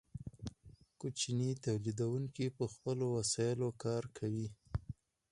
کوچني تولیدونکي په خپلو وسایلو کار کوي.